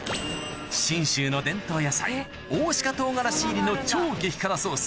信州の伝統野菜入りの超激辛ソース